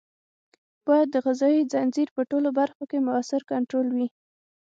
باید د غذایي ځنځیر په ټولو برخو کې مؤثر کنټرول وي.